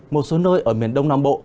một số nơi ở miền đông nam bộ